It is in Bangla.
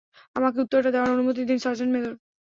আমাকে উত্তরটা দেওয়ার অনুমতি দিন, সার্জেন্ট মেজর।